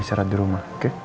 isyarat di rumah oke